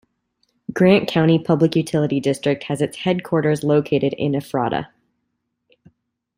Grant County Public Utility District has its headquarters located in Ephrata.